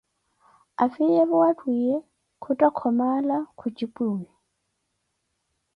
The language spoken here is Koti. Afiyeevo wa ttwiiye kuttha Khomaala khuhijipwiwi